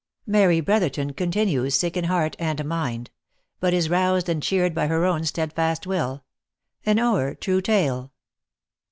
MARY BROTHERTON CONTINUES SICK IN HEART AND MIND BUT IS ROUSED AND CHEERED BY HER OWN STEADFAST WILL — AN o'ER TRUE TALE.